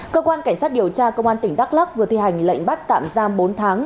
cơ quan cảnh sát điều tra công an tỉnh đắk lắc vừa thi hành lệnh bắt tạm giam bốn tháng